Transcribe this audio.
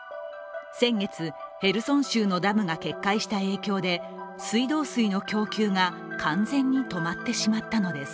先月、ヘルソン州のダムが決壊した影響で水道水の供給が完全に止まってしまったのです。